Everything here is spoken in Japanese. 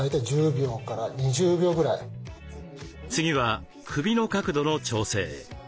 次は首の角度の調整。